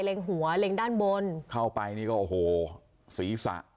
หัวเล็งด้านบนเข้าไปนี่ก็โอ้โหศีรษะ